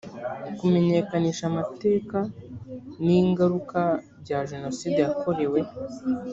kumenyekanisha amateka n ingaruka bya jenoside yakorewe